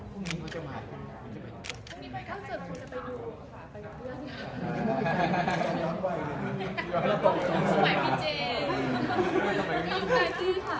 วงนี้เป็นคานเจอร์ขูกก็จะไปดูค่ะไปกับเพื่อนค่ะ